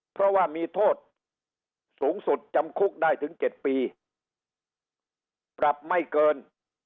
เพราะว่ามีโทษสูงสุดจำคุกได้ถึง๗ปีปรับไม่เกิน